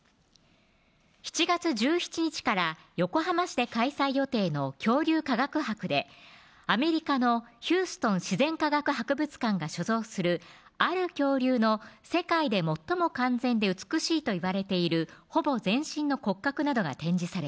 ７月１７日から横浜市で開催予定の「恐竜科学博」でアメリカのヒューストン自然科学博物館が所蔵するある恐竜の世界で最も完全で美しいといわれているほぼ全身の骨格などが展示されます